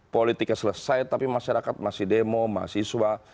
politiknya selesai tapi masyarakat masih demo mahasiswa